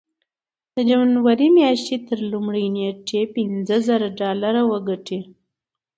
د جنوري مياشتې تر لومړۍ نېټې پينځه زره ډالر وګټئ.